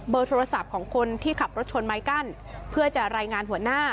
โดยโทรศัพท์ของคนที่ขับรถชนไม้กั้นเพื่อจะรายงานหัวหน้า